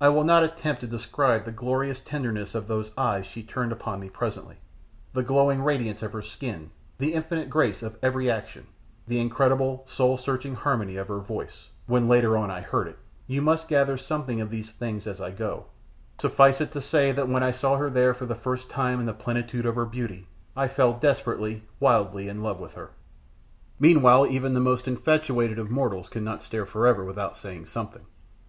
I will not attempt to describe the glorious tenderness of those eyes she turned upon me presently; the glowing radiance of her skin; the infinite grace of every action; the incredible soul searching harmony of her voice, when later on I heard it you must gather something of these things as I go suffice it to say that when I saw her there for the first time in the plenitude of her beauty I fell desperately, wildly in love with her. Meanwhile, even the most infatuated of mortals cannot stare for ever without saying something.